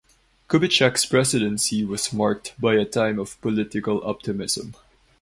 Kubitschek's presidency was marked by a time of political optimism.